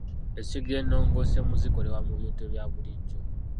Essigiri enongooseemu zikolebwa mu bintu ebya bulijjo.